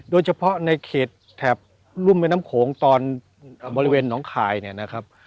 โดยเฉพาะในเขตแถบรุ่นบริเวณ